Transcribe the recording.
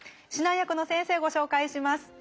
指南役の先生をご紹介します。